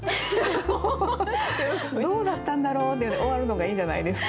どうだったんだろう？で終わるのがいいんじゃないですか？